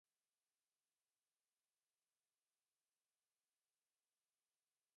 مظہر الاسلام کے ہاں سرئیلی تاثرات موجود ہیں